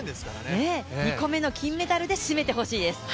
２個目の金メダルで締めてほしいです。